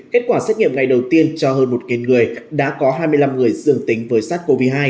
kết quả xét nghiệm ngày đầu tiên cho hơn một người đã có hai mươi năm người dương tính với sars cov hai